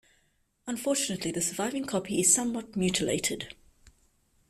Unfortunately the surviving copy is somewhat mutilated.